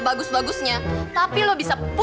yang lahirin itu adalah adalah aku